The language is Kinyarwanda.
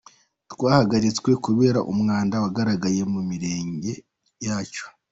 Twahagaritswe kubera umwanda wagaragaye mu mirenge yacu.